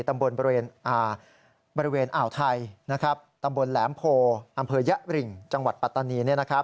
บริเวณอ่าวไทยตำบลแหลมโพอำเภอยะริงจังหวัดปัตตานี